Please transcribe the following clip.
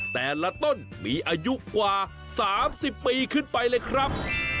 แต่ละต้นมีอายุกว่า๓๐ปีขึ้นไปเลยครับ